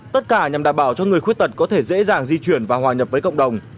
tất cả nhằm đảm bảo cho người khuyết tật có thể dễ dàng di chuyển và hòa nhập với cộng đồng